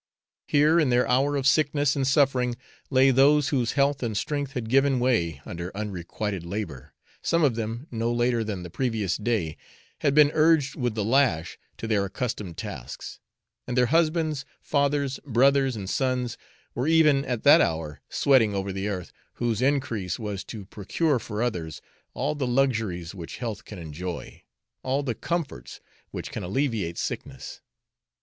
Here in their hour of sickness and suffering lay those whose health and strength had given way under unrequited labour some of them, no later than the previous day, had been urged with the lash to their accustomed tasks and their husbands, fathers, brothers, and sons were even at that hour sweating over the earth whose increase was to procure for others all the luxuries which health can enjoy, all the comforts which can alleviate sickness.